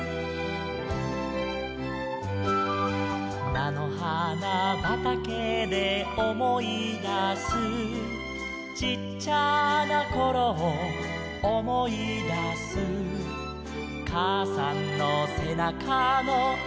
「なのはなばたけでおもいだす」「ちっちゃなころをおもいだす」「かあさんのせなかのあったかさ」